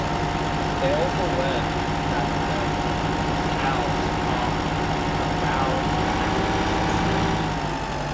They also learn that the Thals are avowed pacifists.